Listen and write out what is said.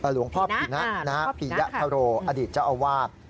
หลวงพ่อปินะปิยธโรอดีตเจ้าอาวาส